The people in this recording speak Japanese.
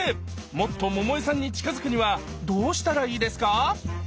もっと百恵さんに近づくにはどうしたらいいですか？